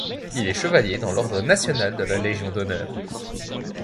Il est Chevalier dans l'Ordre national de la Légion d'honneur.